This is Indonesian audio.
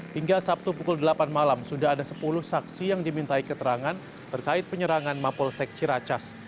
hingga sabtu pukul delapan malam sudah ada sepuluh saksi yang dimintai keterangan terkait penyerangan mapolsek ciracas